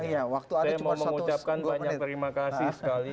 saya mau mengucapkan banyak terima kasih sekali